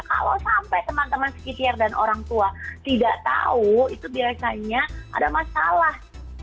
kalau sampai teman teman sekitar dan orang tua tidak tahu itu biasanya ada masalah